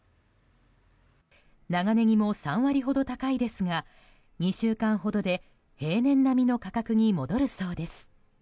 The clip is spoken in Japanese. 長ネギも３割ほど高いですが２週間ほどで平年並みの価格に戻るそうです。